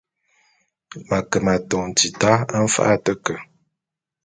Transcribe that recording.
M’ake m’atôn tita mfa’a a te ke.